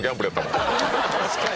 確かに！